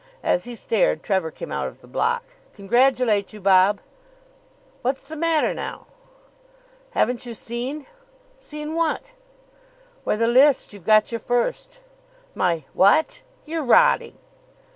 As he stared, Trevor came out of the block. "Congratulate you, Bob." "What's the matter now?" "Haven't you seen?" "Seen what?" "Why the list. You've got your first." "My what? you're rotting."